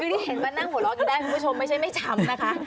คือที่เห็นว่านั่งหัวเราะก็ได้คุณผู้ชมไม่ใช่ไม่ช้ำนะคะ